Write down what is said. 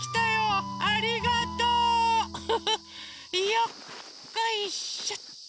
よっこいしょっと。